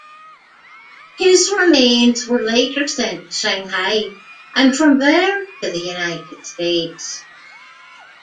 His remains were later sent to Shanghai and from there to the United States.